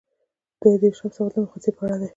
دوه دیرشم سوال د مقایسې په اړه دی.